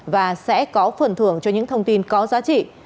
và sẽ có phần thưởng cho những thông tin có giá trị